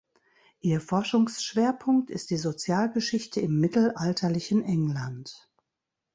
Ihr Forschungsschwerpunkt ist die Sozialgeschichte im mittelalterlichen England.